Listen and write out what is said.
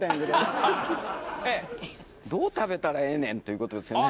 どう食べたらええねんという事ですよね。